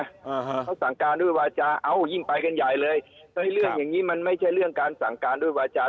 อ่าฮะเขาสั่งการด้วยวาจาเอ้ายิ่งไปกันใหญ่เลยเฮ้ยเรื่องอย่างงี้มันไม่ใช่เรื่องการสั่งการด้วยวาจา